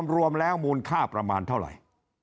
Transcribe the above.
รวมแล้วมูลค่าประมาณเท่าไหร่